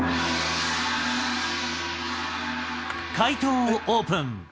解答をオープン。